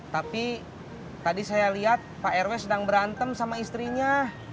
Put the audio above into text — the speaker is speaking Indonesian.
tapi tadi saya lihat pak rw sedang berantem sama istrinya